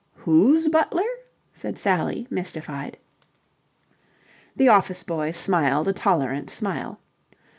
"Whose butler?" said Sally mystified. The office boy smiled a tolerant smile.